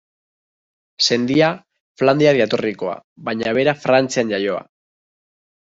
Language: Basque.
Sendia Flandriar jatorrikoa baina bera Frantzian jaioa.